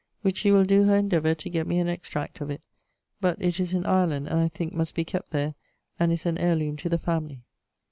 Which she will doe her endeavour to gett me an extract of it, but it is in Ireland and (I thinke) must be kept there, and is an heir loome to the family.